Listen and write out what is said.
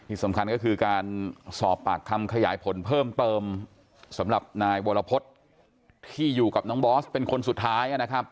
ที่สำคัญก็คือการสอบปากคำขยายผลเพิ่มเติมสำหรับนายวรพฤษที่อยู่กับน้องบอสเป็นคนสุดท้ายนะครับ